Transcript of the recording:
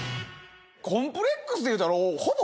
コンプレックスっていうたらほぼ。